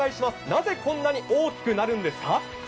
なぜこんなに大きくなるんですか？